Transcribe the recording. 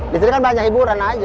di sini kan banyak hiburan aja